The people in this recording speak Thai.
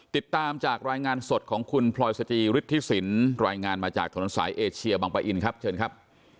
ติดตามจากรายงานสดของคุณพลอยสจิฤทธิสินรายงานมาจากถนนสายเอเชียบังปะอินครับเชิญครับ